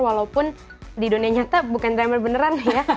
walaupun di dunia nyata bukan drummer beneran ya